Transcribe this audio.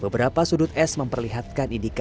beberapa sudut es memperlihatkan hidup saya